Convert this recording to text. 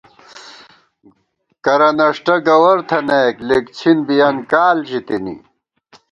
کرہ نݭٹہ گوَر تھنَئیک، لِک څِھن بِیَن کال ژی تِنی